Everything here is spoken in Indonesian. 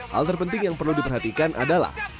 hal terpenting yang perlu diperhatikan adalah